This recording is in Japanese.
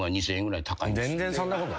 全然そんなこと。